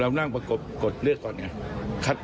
เรานั่งประกบเกิดเลือดก่อนนะ